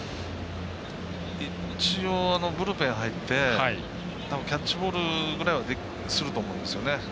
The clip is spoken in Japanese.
一応、ブルペン入ってキャッチボールぐらいはすると思うんですよね。